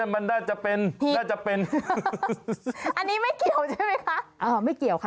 มันได้จะเป็นอันนี้ไม่เกี่ยวใช่ไหมคะไม่เกี่ยวค่ะ